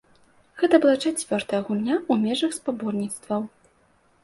Гэта была чацвёртая гульня ў межах спаборніцтваў.